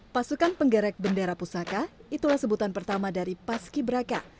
pasukan penggerek bendera pusaka itulah sebutan pertama dari paski braka